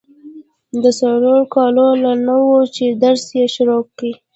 د څلورو کالو لا نه وه چي درس يې شروع کی.